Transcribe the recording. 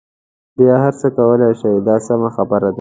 بیا هر څه کولای شئ دا سمه خبره ده.